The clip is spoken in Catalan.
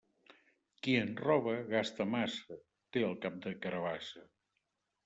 Qui en roba gasta massa té el cap de carabassa.